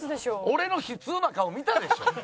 俺の悲痛な顔見たでしょ！